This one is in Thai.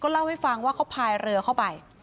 เล่าให้ฟังว่าเขาพายเรือเข้าไป